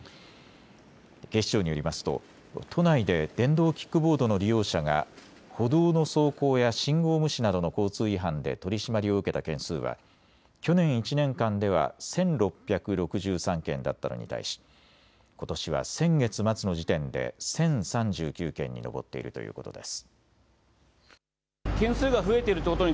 警視庁によりますと都内で電動キックボードの利用者が歩道の走行や信号無視などの交通違反で取締りを受けた件数は去年１年間では１６６３件だったのに対しことしは先月末の時点で１０３９件に上っているということです。